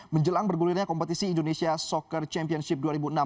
menjelang bergulirnya kompetisi indonesia soccer championship dua ribu enam belas